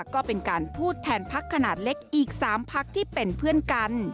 ก็เป็นการพูดแทนพักขนาดเล็กอีก๓พักที่เป็นเพื่อนกัน